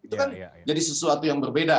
itu kan jadi sesuatu yang berbeda